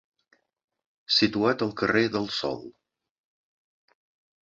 Situat al carrer del Sol.